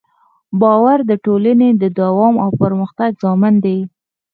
باور د ټولنې د دوام او پرمختګ ضامن دی.